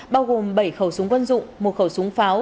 bao gồm bảy khẩu súng quân dụng một khẩu súng pháo